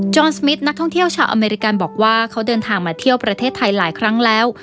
อนสมิทนักท่องเที่ยวชาวอเมริกันบอกว่าเขาเดินทางมาเที่ยวประเทศไทยหลายครั้งแล้ว